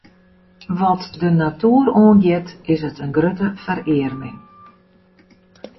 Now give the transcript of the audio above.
Wat de natoer oangiet, is it in grutte ferearming.